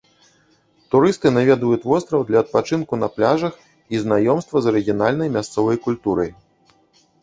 Турысты наведваюць востраў для адпачынку на пляжах і знаёмства з арыгінальнай мясцовай культурай.